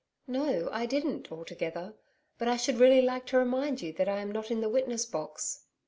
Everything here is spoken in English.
'No, I didn't altogether. But I should really like to remind you that I am not in the witness box.'